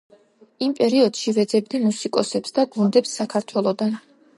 იმ პერიოდში ვეძებდი მუსიკოსებს და გუნდებს საქართველოდან.